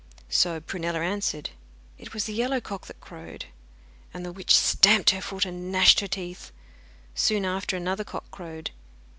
So Prunella answered: 'It was the yellow cock that crowed.' And the witch stamped her foot and gnashed her teeth. Soon after another cock crowed.